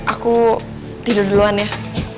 aku tidur duluan ya